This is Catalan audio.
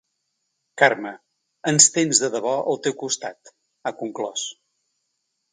Carme, ens tens de debò al teu costat, ha conclòs.